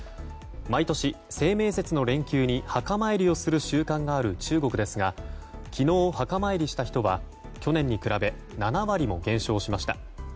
毎年、清明節の連休に墓参りをする習慣がある中国ですが昨日、墓参りした人は去年に比べ７割も減少しました。